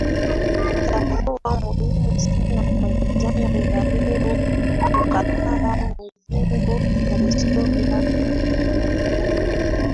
Itakuwa muhimu sana kwa vijana wa leo kukataa mzigo wa historia na kuvumiliana